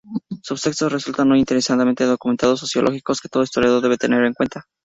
Sus textos resultan hoy interesantes documentos sociológicos que todo historiador debe tener en cuenta.